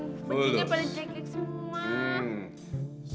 baju nya paling jelek jelek semua